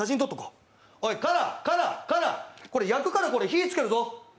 おい、かな、かな、かなこれ、焼くから、これ火つけるぞ。